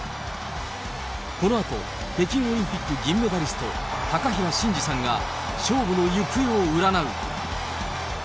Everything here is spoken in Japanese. このあと、北京オリンピック銀メダリスト、高平慎士さんが勝負の行方を占う。